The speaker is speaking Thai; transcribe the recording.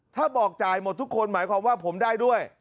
ถ้าบอกจ่ายหมดทุกคนหมายความว่าผมได้ด้วย